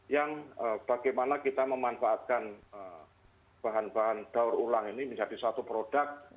yang bagaimana kita memanfaatkan bahan bahan daur ulang ini menjadi satu produk